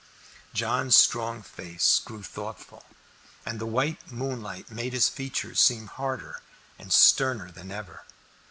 John's strong face grew thoughtful, and the white moonlight made his features seem harder and sterner than ever.